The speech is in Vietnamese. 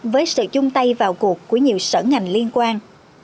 với sự chung tay vào cuộc của nhiều sở ngành liên quan